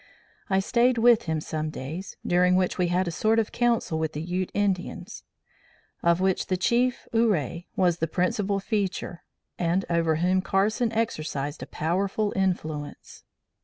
I stayed with him some days, during which we had a sort of council with the Ute Indians, of which the chief Ouray was the principal feature, and over whom Carson exercised a powerful influence.